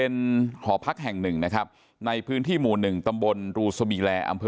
นะครับในพื้นที่หมู่หนึ่งตำรงรูสบิแรอำเภอ